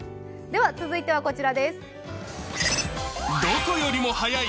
続いてはこちらです。